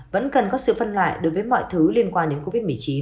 vẫn cần có sự phân loại đối với mọi thứ liên quan đến covid một mươi chín